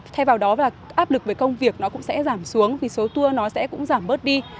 thay vào đó và áp lực về công việc nó cũng sẽ giảm xuống vì số tour nó sẽ cũng giảm bớt đi